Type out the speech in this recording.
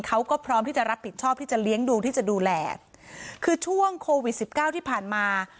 เขาก็พร้อมที่จะรับผิดชอบที่จะเลี้ยงดูที่จะดูแลคือช่วงโควิดสิบเก้าที่ผ่านมา